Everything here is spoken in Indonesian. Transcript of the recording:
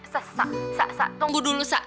sa sa sa sa tunggu dulu sa